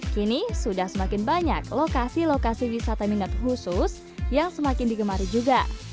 kini sudah semakin banyak lokasi lokasi wisata minat khusus yang semakin digemari juga